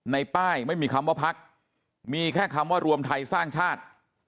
ในป้ายไม่มีคำว่าพักมีแค่คำว่ารวมไทยสร้างชาติ